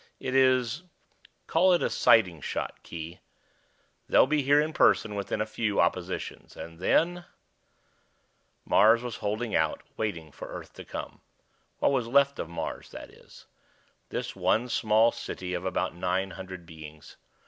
It is call it a sighting shot, Khee. They'll be here in person within a few oppositions. And then " Mars was holding out, waiting for Earth to come. What was left of Mars, that is; this one small city of about nine hundred beings.